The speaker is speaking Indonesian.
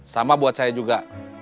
sama buat saya juga